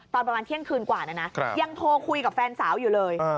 ตอนประมาณเที่ยงคืนกว่านะนะยังโทรคุยกับแฟนสาวอยู่เลย